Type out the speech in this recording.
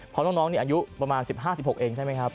เพราะน้องนี่อายุประมาณ๑๕๑๖เองใช่ไหมครับ